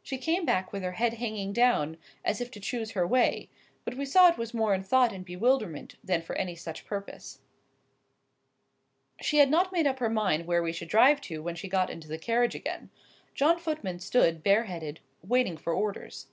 She came back with her head hanging down, as if to choose her way,—but we saw it was more in thought and bewilderment than for any such purpose. She had not made up her mind where we should drive to when she got into the carriage again. John Footman stood, bare headed, waiting for orders.